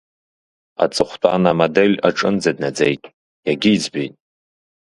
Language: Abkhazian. Аҵыхәтәан амодель аҿынӡа днаӡеит, иагьиӡбеит…